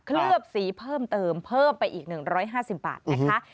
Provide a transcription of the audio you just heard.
ลือบสีเพิ่มเติมเพิ่มไปอีก๑๕๐บาทนะคะ